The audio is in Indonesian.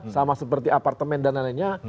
sama seperti apartemen dan lain lainnya